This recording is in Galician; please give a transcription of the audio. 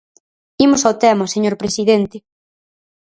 Imos ao tema, señor presidente.